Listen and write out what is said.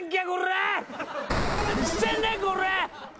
何してんねんこれ！